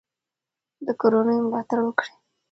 د کورنیو ملاتړ وکړئ.